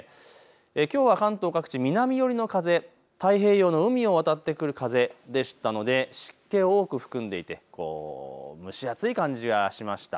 きょうは関東各地、南寄りの風、太平洋、海を渡ってくる風でしたので湿気を多く含んでいて蒸し暑い感じがしました。